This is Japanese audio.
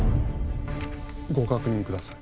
・ご確認ください